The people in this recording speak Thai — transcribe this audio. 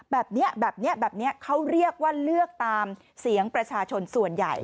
แบบนี้แบบนี้เขาเรียกว่าเลือกตามเสียงประชาชนส่วนใหญ่